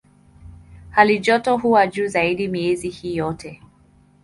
Halijoto huwa juu zaidi miezi hii yote.